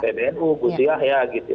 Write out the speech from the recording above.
pbnu gusiah ya gitu